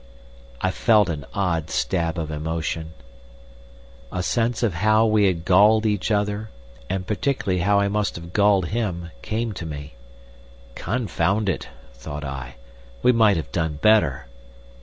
I felt an odd stab of emotion. A sense of how we had galled each other, and particularly how I must have galled him, came to me. "Confound it," thought I, "we might have done better!"